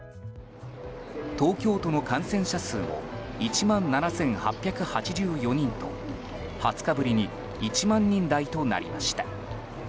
東京都の感染者数も１万７８８４人と２０日ぶりに１万人台となりました。